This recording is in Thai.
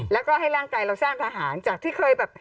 แล้วก็ให้ร่างกายเราสร้างทหารจากที่เคยแบบ